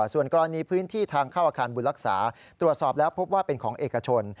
ส่วนกรณีพื้นที่ทางเข้าอาคารบุญรักษาตรวจสอบแล้วพบว่าเป็นของเอกชน